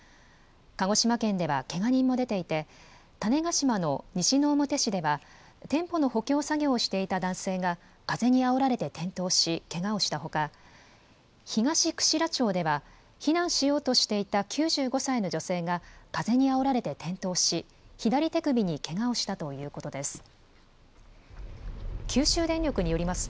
鹿児島県ではけが人も出ていて、種子島の西之表市では、店舗の補強作業をしていた男性が、風にあおられて転倒し、けがをしたほか、東串良町では、避難しようとしていた９５歳の女性が、風にあおられて転倒し、左手首にけがをしたということです。